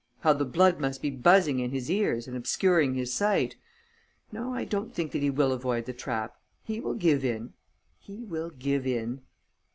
How the blood must be buzzing in his ears and obscuring his sight! No, I don't think that he will avoid the trap.... He will give in.... He will give in...."